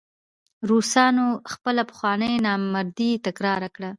روسانو خپله پخوانۍ نامردي تکرار کړه.